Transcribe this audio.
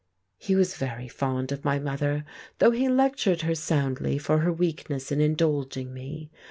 He was very fond of my mother, though he lectured her soundly for her weakness in indulging me.